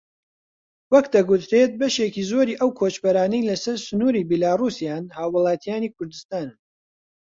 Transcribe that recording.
وەک دەگوترێت بەشێکی زۆری ئەو کۆچبەرانەی لەسەر سنووری بیلاڕووسیان هاوڵاتیانی کوردستانن